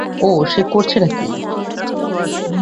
ওহ, সে করছে টা কি?